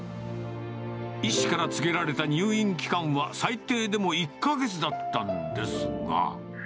医師から告げられた入院期間は、最低でも１か月だったんですが。